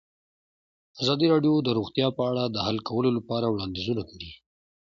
ازادي راډیو د روغتیا په اړه د حل کولو لپاره وړاندیزونه کړي.